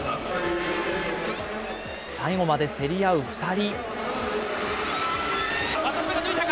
最後まで競り合う２人。